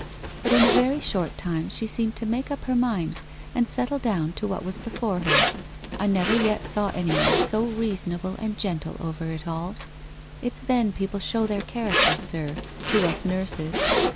But in a very short time she seemed to make up her mind and settle down to what was before her. I never yet saw anyone so reasonable and gentle •over it all. It's then people show their character, sir, to us nurses.